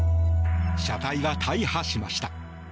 車体は大破しました。